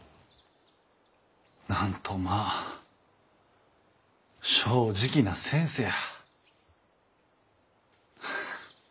なんとまぁ正直な先生や。